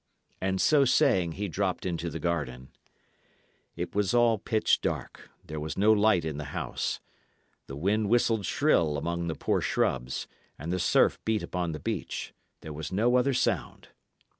And so saying he dropped into the garden. It was all pitch dark; there was no light in the house. The wind whistled shrill among the poor shrubs, and the surf beat upon the beach; there was no other sound.